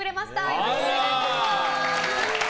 よろしくお願いします。